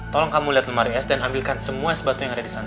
tolong kamu liat lemari es dan ambilkan semua es batu yang ada disana